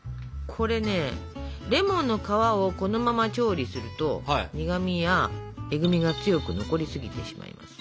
これねレモンの皮をこのまま調理すると苦みやえぐみが強く残りすぎてしまいます。